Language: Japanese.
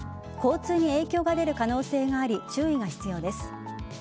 交通に影響が出る可能性があり注意が必要です。